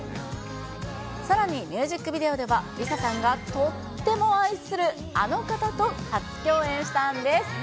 さらに、ミュージックビデオでは、ＬｉＳＡさんが、とっても愛するあの方と初共演したんです。